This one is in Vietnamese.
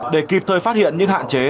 để kịp thời phát hiện những hạn chế